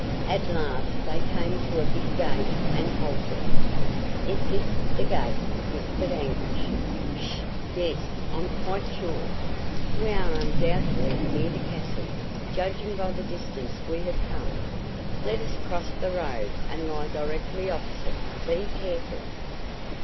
At last they came to a big gate and halted. "Is this the gate?" whispered Anguish. "Sh! Yes, I'm quite sure. We are undoubtedly near the castle, judging by the distance we have come. Let us cross the road and lie directly opposite. Be careful!"